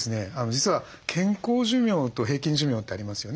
実は健康寿命と平均寿命ってありますよね。